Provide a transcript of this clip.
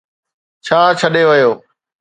ڇا ڇڏي ويو.